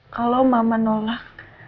kalau mama nolak